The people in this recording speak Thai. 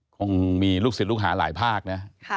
คงมีลูกศิษย์ลูกหาหลายภาคนะ